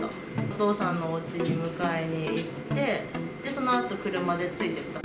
お父さんのおうちに迎えに行って、そのあと、車でついてった。